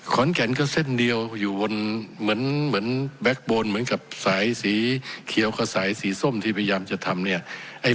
ขอนแก่นก็เส้นเดียวอยู่บนเหมือนแบ็คโวนเหมือนกับสายสีเขียวกับสายสีส้มที่พยายามจะทำเนี่ย